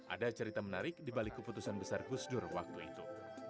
ada cerita menarik di balik keputusan besar gus dur waktu itu